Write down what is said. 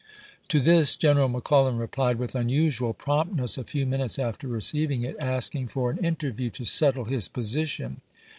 To this General McClellan replied with unusual voi.'xii., promptness a few minutes after receiving it, ask p. 773. ■' ing for an interview to settle his position.